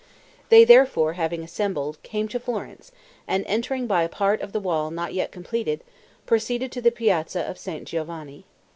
They, therefore, having assembled, came to Florence, and entering by a part of the wall not yet completed, proceeded to the piazza of St. Giovanni.